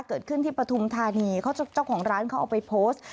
เกิดขึ้นที่ปฐุมธานีเขาเจ้าของร้านเขาเอาไปโพสต์